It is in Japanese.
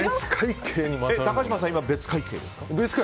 高嶋さんは別会計ですか？